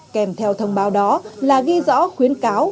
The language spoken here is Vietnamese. kèm theo thông báo đó là ghi rõ khuyến cáo